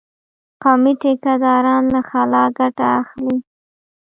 قومي ټيکه داران له خلا ګټه اخلي.